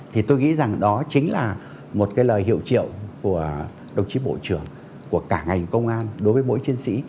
thì tôi nghĩ rằng đó chính là một cái lời hiệu triệu của đồng chí bộ trưởng của cả ngành công an đối với mỗi chiến sĩ